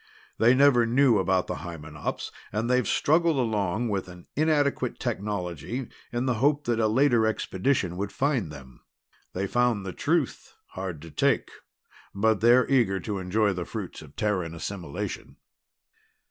They never knew about the Hymenops, and they've struggled along with an inadequate technology in the hope that a later expedition would find them. They found the truth hard to take, but they're eager to enjoy the fruits of Terran assimilation."